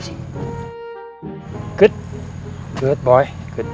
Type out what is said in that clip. cepet kalo kamu mau